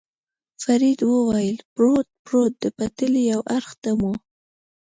فرید وویل: پروت، پروت، د پټلۍ یو اړخ ته مو.